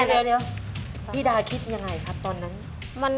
เดี๋ยวพี่ดาคิดยังไงครับตอนนั้น